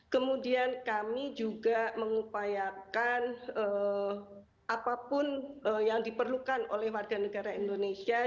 kemudian kami juga mengupayakan apapun yang diperlukan oleh warga negara indonesia